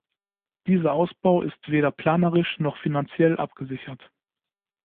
Dieser Ausbau ist weder planerisch noch finanziell abgesichert.